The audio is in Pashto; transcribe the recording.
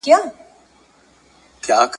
په پلمه یې د مرګ دام ته را وستلی ..